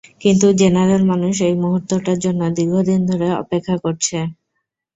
কিন্তু জেনারেল, মানুষ এই মুহূর্তটার জন্য দীর্ঘদিন ধরে অপেক্ষা করছে।